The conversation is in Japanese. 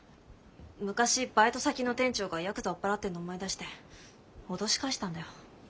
昔バイト先の店長がヤクザ追っ払ってんの思い出して脅し返したんだよ。